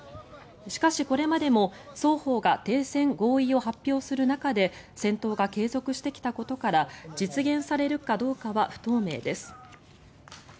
しかし、これまでも双方が停戦合意を発表する中で戦闘が継続してきたことから実現されるかどうかは不透明です。